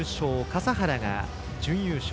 笠原が準優勝。